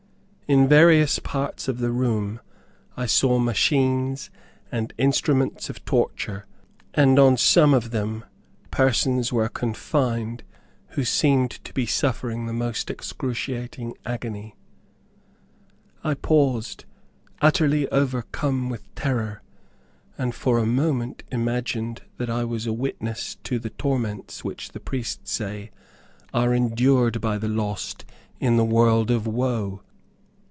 In various parts of the room I saw machines, and instruments of torture, and on some of them persons were confined who seemed to be suffering the most excruciating agony. I paused, utterly overcome with terror, and for a moment imagined that I was a witness to the torments, which, the priests say, are endured by the lost, in the world of woe.